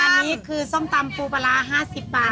อันนี้คือส้มตำปูปลาร้า๕๐บาท